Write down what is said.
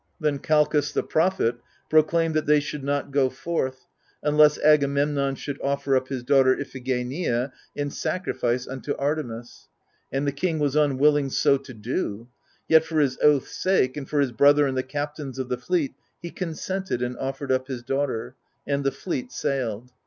Then Calchas the prophet proclaimed that they should not go forth, unless Agamemnon should offer up his daughter Iphigenia in sacrifice unto Artemis. And the king was unwilling so to do : yet for his oath's sake, and for his brother and the captains of the fleet, he consented, and offered up his daughter : and the fleet sailed.